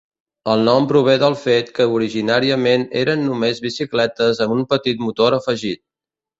El nom prové del fet que originàriament eren només bicicletes amb un petit motor afegit.